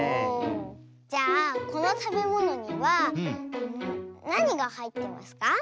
じゃあこのたべものにはなにがはいってますか？